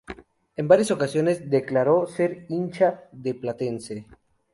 En varias ocasiones declaró ser hincha de Platense.